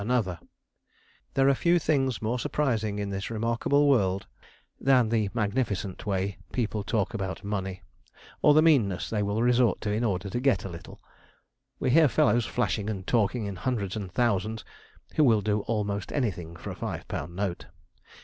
There are few things more surprising in this remarkable world than the magnificent way people talk about money, or the meannesses they will resort to in order to get a little. We hear fellows flashing and talking in hundreds and thousands, who will do almost anything for a five pound note.